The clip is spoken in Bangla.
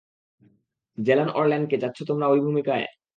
জ্যাসন অরল্যানকে চাচ্ছো তোমরা অই ভূমিকায়?